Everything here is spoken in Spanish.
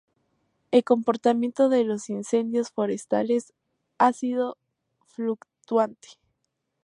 El comportamiento de los incendios forestales ha sido fluctuante.